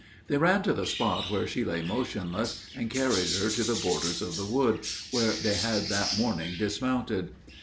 They ran to the spot where she lay motionless, and carried her to the borders of the wood, where they had that morning dismounted.